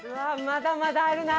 まだまだあるな。